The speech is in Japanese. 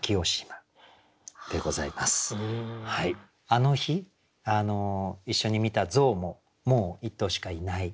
あの日一緒に見た象ももう１頭しかいない。